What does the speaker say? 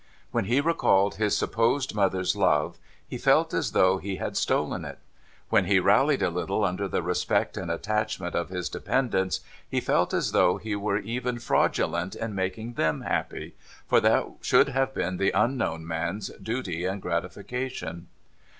When he recalled his supposed mother's love, he felt as though he had stolen it. When he rallied a little under the respect and attachment of his dependants, he felt as though he were even fraudulent in making them happy, for that should have been the unknown man's duty and gratification.